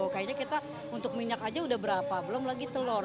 kayaknya kita untuk minyak aja udah berapa belum lagi telur